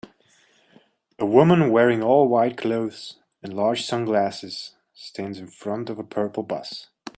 A woman wearing all white clothes and large sunglasses stands in front of a purple bus.